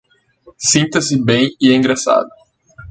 Sinta-se bem e engraçado